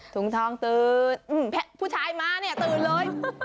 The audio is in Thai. ถุงทองตื่นผู้ชายมาเนี่ยตื่นเลย